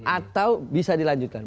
atau bisa dilanjutkan